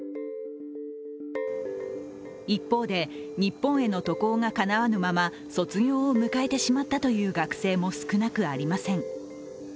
一方で、日本への渡航がかなわぬまま卒業を迎えてしまったという学生も少なくありません。